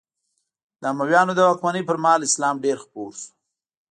د امویانو د واکمنۍ پر مهال اسلام ډېر خپور شو.